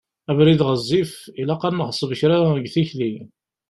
Abrid ɣezzif, ilaq ad neɣṣeb kra deg tikli.